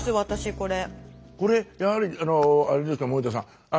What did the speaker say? これやはりあれですか森田さん